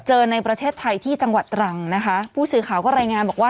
ในประเทศไทยที่จังหวัดตรังนะคะผู้สื่อข่าวก็รายงานบอกว่า